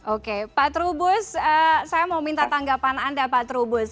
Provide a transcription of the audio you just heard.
oke pak trubus saya mau minta tanggapan anda pak trubus